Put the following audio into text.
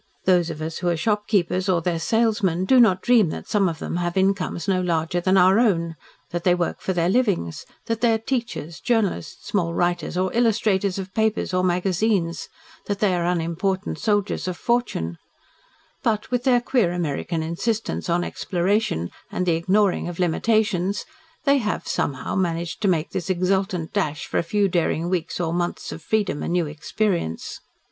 Those of us who are shopkeepers, or their salesmen, do not dream that some of them have incomes no larger than our own, that they work for their livings, that they are teachers journalists, small writers or illustrators of papers or magazines that they are unimportant soldiers of fortune, but, with their queer American insistence on exploration, and the ignoring of limitations, they have, somehow, managed to make this exultant dash for a few daring weeks or months of freedom and new experience.